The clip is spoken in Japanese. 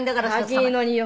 高えのによ